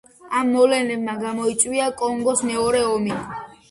ამ მოვლენებმა გამოიწვია კონგოს მეორე ომი.